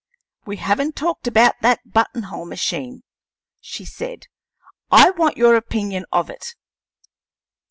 "We haven't talked about that button hole machine," she said. "I want your opinion of it."